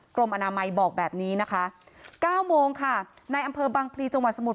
กรมอนามัยบอกแบบนี้นะคะ๙โมงค่ะในอำเภอบังพลีจังหวัดสมุท